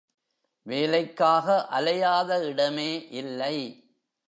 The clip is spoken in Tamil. வேலைக்காக அலையாத இடமே இல்லை.